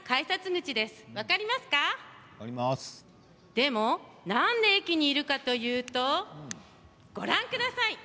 でも、なんで駅にいるかというとご覧ください！